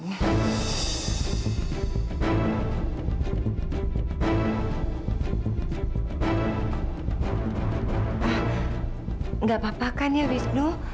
nggak apa apa kan ya wisnu